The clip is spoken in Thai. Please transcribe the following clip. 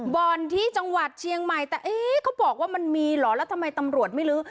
บ่อนที่จังหวัดเชียงใหม่แต่เอ๊ะเขาบอกว่ามันมีเหรอแล้วทำไมตำรวจไม่ลื้อ